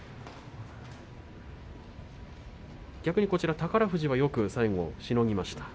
宝富士はよく最後しのぎました。